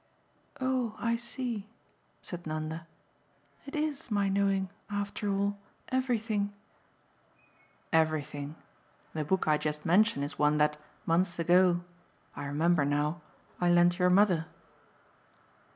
"Oh I see," said Nanda. "It IS my knowing, after all, everything." "Everything. The book I just mentioned is one that, months ago I remember now I lent your mother."